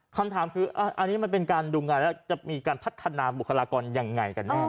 คำถามคืออันนี้มันเป็นการดูงานแล้วจะมีการพัฒนาบุคลากรยังไงกันแน่